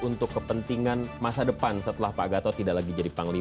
untuk kepentingan masa depan setelah pak gatot tidak datang